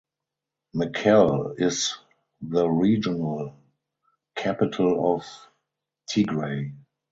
Mekelle is the regional capital of Tigray.